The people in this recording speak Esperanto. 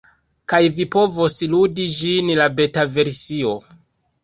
kaj vi povos ludi ĝin, la betaversio